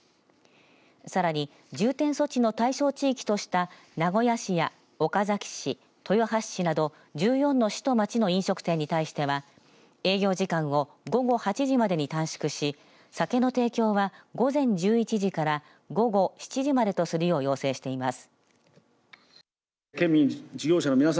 さらに重点措置の対象地域とした名古屋市や岡崎市、豊橋市など１４の市と町の飲食店に対しては営業時間を午後８時までに短縮し酒の提供は午前１１時から午後７時までとするよう要請しています。